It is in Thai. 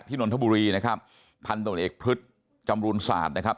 นนทบุรีนะครับพันตรวจเอกพฤษจำรูนศาสตร์นะครับ